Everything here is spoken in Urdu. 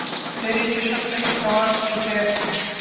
تیری چشم الم نواز کی خیر